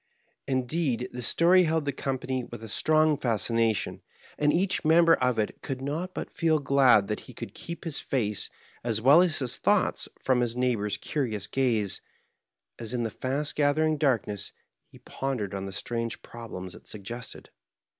Indeed, the story held the company with a strong fascination, and each member of it could not but feel glad that he could keep his face as well as his thoughts from his neigh bor's curious gaze, as in the fast gathering darkness he pondered on the strange problems it suggested.